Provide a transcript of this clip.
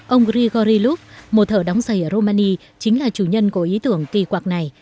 ông grigori lug một thợ đóng giày ở romania chính là chủ nhân của ý tưởng kỳ quạc này